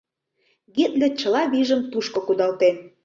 — Гитлер чыла вийжым тушко кудалтен.